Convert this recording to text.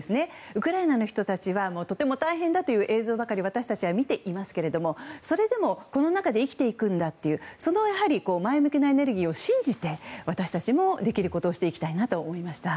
ウクライナの人たちはとても大変だという映像ばかり私たちは見ていますがそれでも、この中で生きていくんだというその前向きなエネルギーを信じて私たちもできることをしていきたいなと思いました。